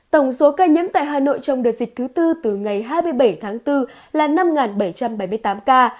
tổng số ca nhiễm tại hà nội trong đợt dịch thứ tư từ ngày hai mươi bảy tháng bốn là năm bảy trăm bảy mươi tám ca